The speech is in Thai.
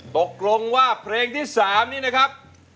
ตกลงว่าเพลงที่๓นี้นะครับ